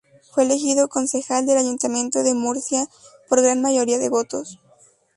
Fue elegido concejal del Ayuntamiento de Murcia por gran mayoría de votos.